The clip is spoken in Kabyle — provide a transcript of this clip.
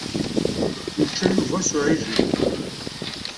Yečča Yuba s uɛijel.